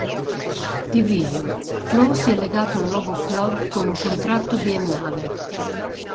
Division: Flo si è legato al nuovo club con un contratto biennale.